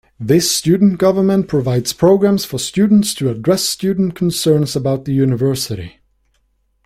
This student government provides programs for students to address student concerns about the university.